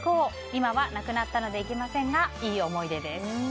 今は亡くなったので行けませんがいい思い出です。